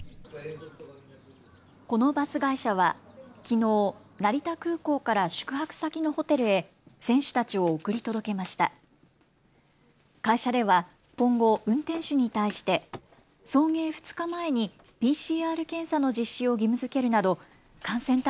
このバス会社はきのう、成田空港から宿泊先のホテルへ選手たちを送り届けました。